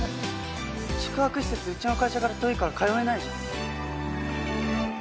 宿泊施設うちの会社から遠いから通えないじゃん。